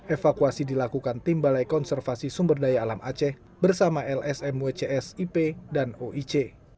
evakuasi dilakukan tim balai konservasi sumber daya alam aceh bersama lsm wcs ip dan oic